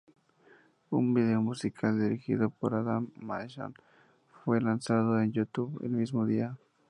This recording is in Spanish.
Un video musical dirigido por Adam Mason fue lanzado en YouTube el mismo día.